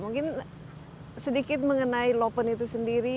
mungkin sedikit mengenai lopen itu sendiri